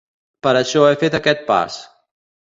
Per això he fet aquest pas.